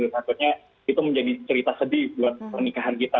takutnya itu menjadi cerita sedih buat pernikahan kita